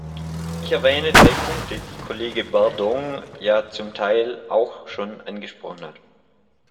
Ich erwähne drei Punkte, die Kollege Bardong ja zum Teil auch schon angesprochen hat.